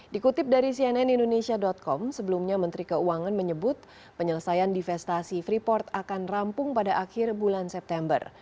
dikutip dari cnn indonesia com sebelumnya menteri keuangan menyebut penyelesaian divestasi freeport akan rampung pada akhir bulan september